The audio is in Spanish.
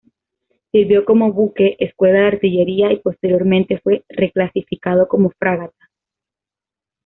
Sirvió como buque escuela de artillería, y posteriormente, fue reclasificado como fragata.